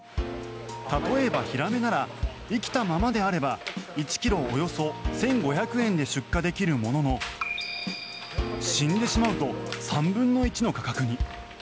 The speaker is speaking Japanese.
例えば、ヒラメなら生きたままであれば１ｋｇおよそ１５００円で出荷できるものの死んでしまうと３分の１の価格に。